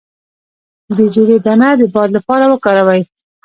د زیرې دانه د باد لپاره وکاروئ